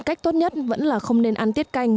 cách tốt nhất vẫn là không nên ăn tiết canh